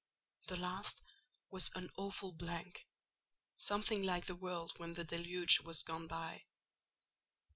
The last was an awful blank: something like the world when the deluge was gone by.